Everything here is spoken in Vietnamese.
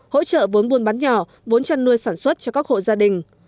hỗ trợ vốn buôn bán nhỏ vốn chăn nuôi sản xuất cho các hộ gia đình